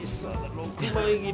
６枚切り。